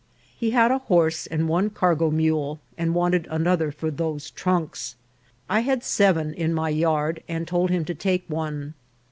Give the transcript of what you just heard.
He had a horse and one cargo mule, and wanted another for those trunks. I had seven in my yard, and told him to take one.